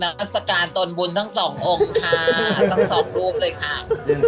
ทัศกาลตนบุญทั้งสององค์ค่ะทั้งสองรูปเลยค่ะ